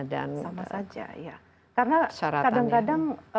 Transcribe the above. sama saja ya karena kadang kadang